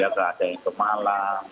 ada yang kemalam